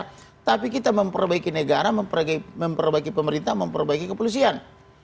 nah tapi kita memperbaiki negara memperbaiki pemerintah memperbaiki kepolisian